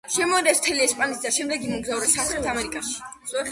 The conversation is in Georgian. შემოიარეს მთელი ესპანეთი და შემდეგ იმოგზაურეს სამხრეთ ამერიკაში.